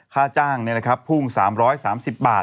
ค่าจ้างพุ่ง๓๓๐บาท